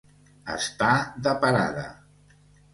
Estar de parada.